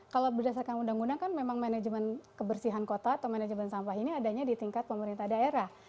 kalau berdasarkan undang undang kan memang manajemen kebersihan kota atau manajemen sampah ini adanya di tingkat pemerintah daerah